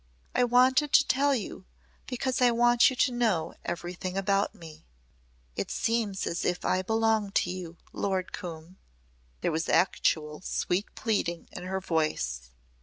"I wanted to tell you because I want you to know everything about me. It seems as if I belong to you, Lord Coombe," there was actual sweet pleading in her voice.